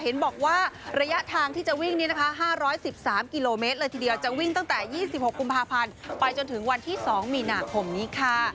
เห็นบอกว่าระยะทางที่จะวิ่งนี้นะคะ๕๑๓กิโลเมตรเลยทีเดียวจะวิ่งตั้งแต่๒๖กุมภาพันธ์ไปจนถึงวันที่๒มีนาคมนี้ค่ะ